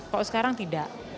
kalau sekarang tidak